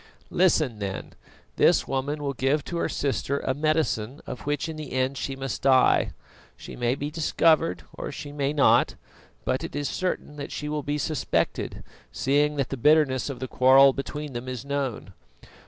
"Listen then: this woman will give to her sister a medicine of which in the end she must die. She may be discovered or she may not, but it is certain that she will be suspected, seeing that the bitterness of the quarrel between them is known.